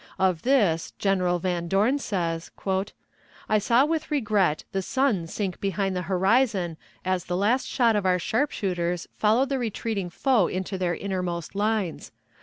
Of this, General Van Dorn says: "I saw with regret the sun sink behind the horizon as the last shot of our sharpshooters followed the retreating foe into their innermost lines.